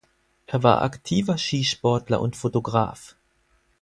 Er war aktiver Skisportler und Fotograf.